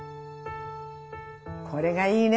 これがいいね